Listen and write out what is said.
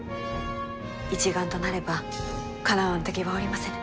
一丸となればかなわぬ敵はおりませぬ。